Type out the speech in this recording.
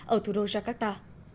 ở thủ đô jakarta